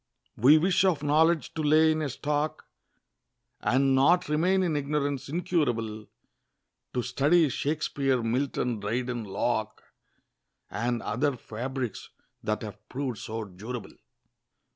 We wish of knowledge to lay in a stock, And not remain in ignorance incurable; To study Shakspeare, Milton, Dryden, Locke, And other fabrics that have proved so durable.